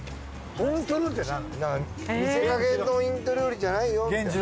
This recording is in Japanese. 見せかけのインド料理じゃないよみたいな。